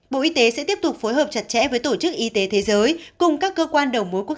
bộ y tế sẽ tiếp tục phối hợp chặt chẽ với tổ chức y tế thế giới cùng các cơ quan đầu mối quốc